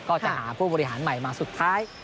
ก็จะหาผู้บริหารใหม่มาสุดท้าย